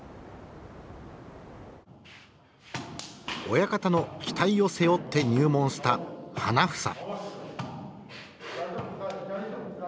親方の期待を背負って入門した花房。